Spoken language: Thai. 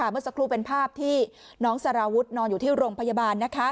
เมื่อสักครู่เป็นภาพที่น้องสารวุฒินอนอยู่ที่โรงพยาบาล